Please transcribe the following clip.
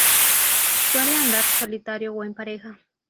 Suele andar solitario o en pareja.